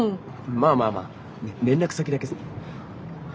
まあまあまあ連絡先だけさ。